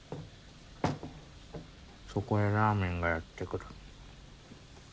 そこへラーメンがやってくる。